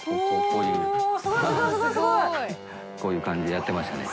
こういう感じでやってましたね。